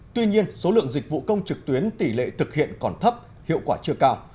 tuy nhiên số lượng dịch vụ công trực tuyến tỷ lệ thực hiện còn thấp hiệu quả chưa cao